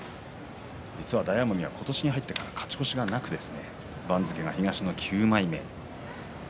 実は大奄美は今年入ってから勝ち越しがなくて番付が東の９枚目。